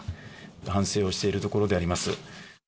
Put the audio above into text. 反省をしているところであります。